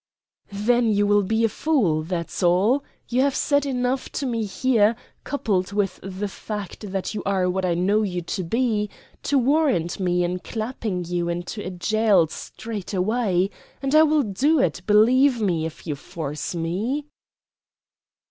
"Then you will be a fool, that's all. You have said enough to me here, coupled with the fact that you are what I know you to be, to warrant me in clapping you into a jail straightaway, and I will do it, believe me, if you force me."